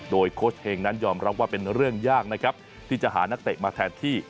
โดยโค้ชเฮงนั้นยอมรับว่าเป็นเรื่องยากนะครับที่จะหานักเตะมาแทนที่